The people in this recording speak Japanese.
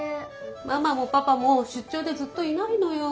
ママもパパもしゅっちょうでずっといないのよ。